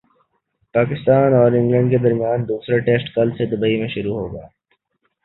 پاکستان اور انگلینڈ کے درمیان دوسرا ٹیسٹ کل سے دبئی میں شروع ہوگا